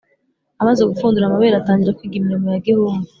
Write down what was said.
amaze gupfundura amabere atangira kwiga imirimo ya gihungu,